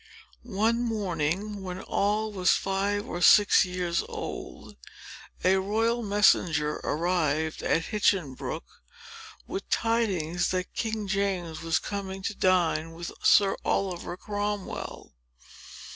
One morning, when Noll was five or six years old, a royal messenger arrived at Hinchinbrooke, with tidings that King James was coming to dine with Sir Oliver Cromwell.